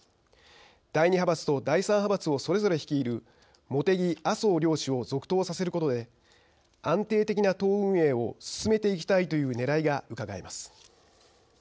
第２派閥と第３派閥をそれぞれ率いる茂木・麻生両氏を続投させることで安定的な党運営を進めていきたいというねらいがうかがえます。